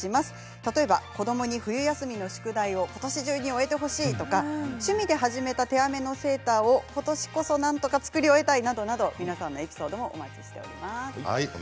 例えば、子どもに冬休みの宿題をことしじゅうに終えてほしいとか趣味で始めた手編みのセーターをことしこそ、なんとか作り終えたいなどなど皆さんのエピソードもお待ちしております。